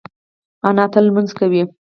انا تل لمونځ کوي